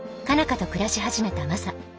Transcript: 花と暮らし始めたマサ。